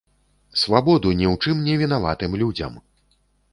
Свабоду ні ў чым не вінаватым людзям!